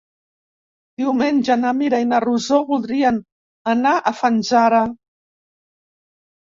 Diumenge na Mira i na Rosó voldrien anar a Fanzara.